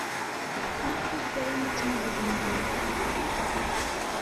Maɣef ay tram ad tmahlem da?